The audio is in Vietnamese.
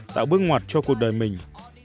tạo bước ngoặt cho cuộc đời mình